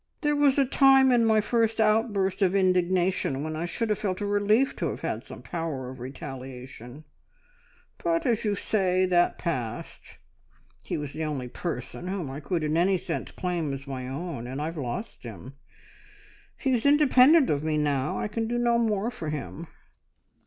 There was a time in my first outburst of indignation when I should have felt it a relief to have had some power of retaliation, but, as you say, that passed. ... He was the only person whom I could in any sense claim as my own, and I've lost him! He is independent of me now. I can do no more for him."